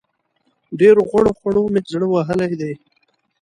ډېرو غوړو خوړو مې زړه وهلی دی.